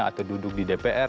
atau duduk di dpr